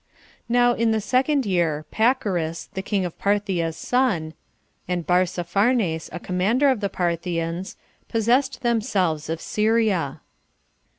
3. Now, in the second year, Pacorus, the king of Parthia's son, and Barzapharnes, a commander of the Parthians, possessed themselves of Syria.